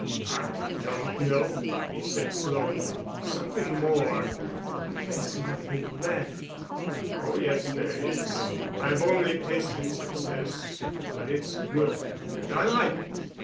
"I don't know," he said slowly, "something more——" "But there's nothing left." "Oh, yes, there is. I've only tasted success, but it's good, and I like it.